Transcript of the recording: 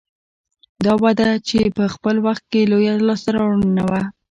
دا وده چې په خپل وخت کې لویه لاسته راوړنه وه